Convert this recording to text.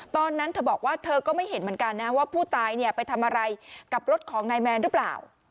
ตอนนั้นเธอบอกว่าเธอก็ไม่เห็นเหมือนกันนะว่าผู้ตายไปทำอะไรกับรถของนายแมนหรือเปล่า